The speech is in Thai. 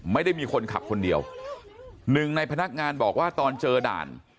ไม่ได้มีคนขับคนเดียวหนึ่งในพนักงานบอกว่าตอนเจอด่าน